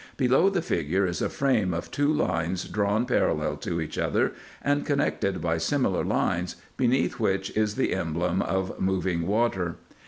Below the figure is a frame of two lines drawn parallel to each other, and connected by similar fines, beneath which is the emblem of moving water.